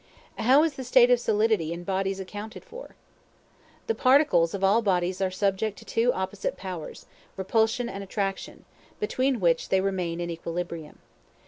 How is the state of Solidity in bodies accounted for? The particles of all bodies are subject to two opposite powers, repulsion and attraction; between which they remain in equilibrium.